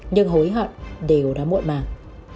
nhưng hối hận đều đã muộn màng